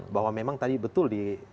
bahwa memang tadi betul